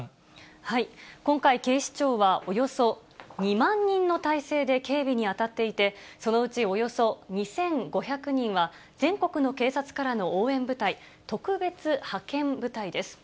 今回、警視庁はおよそ２万人の態勢で警備に当たっていて、そのうちおよそ２５００人は、全国の警察からの応援部隊、特別派遣部隊です。